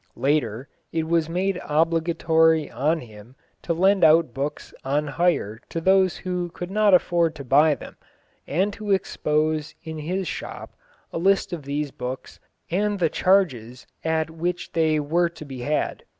Later, it was made obligatory on him to lend out books on hire to those who could not afford to buy them, and to expose in his shop a list of these books and the charges at which they were to be had.